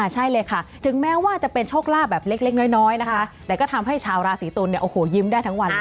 ใช่เลยค่ะถึงแม้ว่าจะเป็นโชคลาภแบบเล็กน้อยนะคะแต่ก็ทำให้ชาวราศีตุลเนี่ยโอ้โหยิ้มได้ทั้งวันเลย